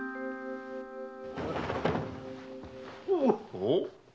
おっ。